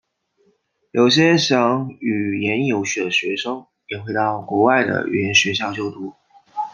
有些想语言游学的学生也会到国外的语言学校就读。